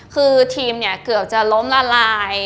คือทีมเนี่ยเกือบจะล้มละลาย